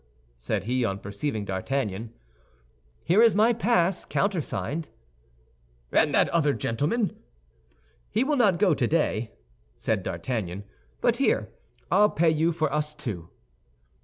said he, on perceiving D'Artagnan. "Here is my pass countersigned," said the latter. "And that other gentleman? "He will not go today," said D'Artagnan; "but here, I'll pay you for us two."